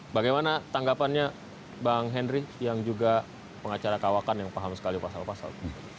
bagaimana tanggapannya bang henry yang juga pengacara kawakan yang paham sekali pasal pasal